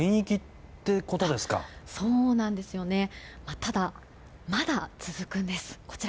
ただ、まだ続くんです。